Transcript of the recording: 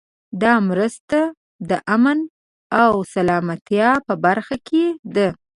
دا مرسته د امن او سلامتیا په برخه کې ده.